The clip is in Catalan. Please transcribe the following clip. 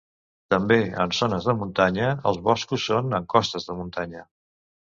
També, en zones de muntanya, els boscos són en costes de muntanya.